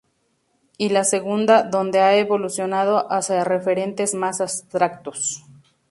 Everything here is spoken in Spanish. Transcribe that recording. Y la segunda, donde ha evolucionado hacia referentes más abstractos.